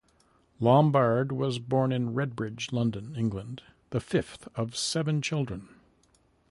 Lombard was born in Redbridge, London, England, the fifth of seven children.